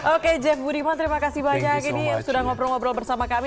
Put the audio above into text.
oke jeff budiman terima kasih banyak ini sudah ngobrol ngobrol bersama kami